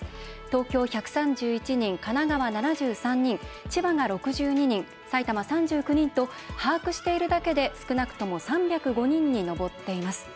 東京１３１人、神奈川７３人千葉が６２人、埼玉３９人と把握しているだけで少なくとも３０５人に上っています。